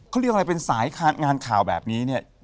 เขาเรียกอะไรเป็นสายงานข่าวแบบนี้เนี่ย